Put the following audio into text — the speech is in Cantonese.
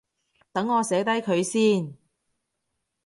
等我寫低佢先